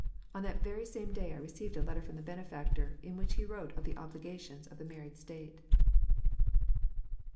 On that very same day I received a letter from the Benefactor, in which he wrote <^ the obligations of the married state.